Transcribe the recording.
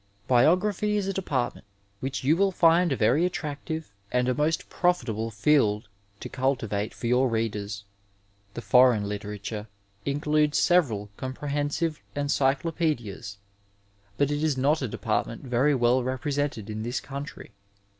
Biography is a department which you will find a very attractive and a most profitable field to cultivate for your readers. The foreign literature includes several compen hensive encyclopedias, but it is not a department very weU represented in this country.